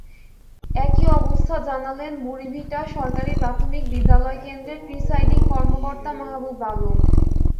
একই অবস্থা জানালেন বুড়িভিটা সরকারি প্রাথমিক বিদ্যালয় কেন্দ্রের প্রিসাইডিং কর্মকর্তা মাহবুব আলম।